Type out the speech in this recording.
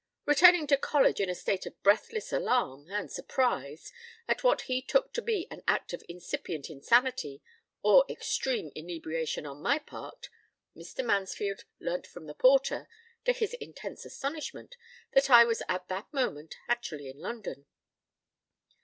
Returning to college in a state of breathless alarm and surprise, at what he took to be an act of incipient insanity or extreme inebriation on my part, Mr. Mansfield learnt from the porter, to his intense astonishment, that I was at that moment actually in London.